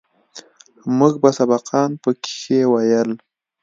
موږ به سبقان پکښې ويل.